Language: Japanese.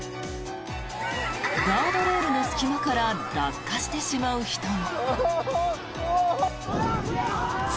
ガードレールの隙間から落下してしまう人も。